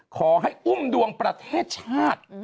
ขอให้อุ้มดวงประเทศชาติ